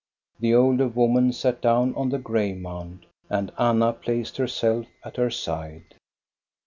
The older woman sat down on the grave mound, and Anna placed herself at her side.